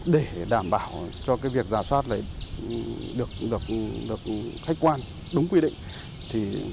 để đảm bảo cho việc giả soát được khách quan đúng quy định